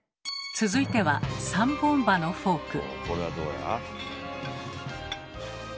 続いては３本歯のフォーク。